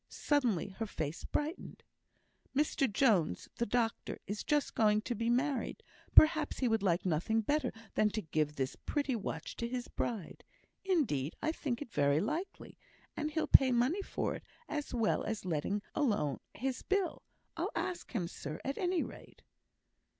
Suddenly her face brightened. "Mr Jones, the doctor, is going to be married, perhaps he would like nothing better than to give this pretty watch to his bride; indeed, and I think it's very likely; and he'll pay money for it as well as letting alone his bill. I'll ask him, sir, at any rate."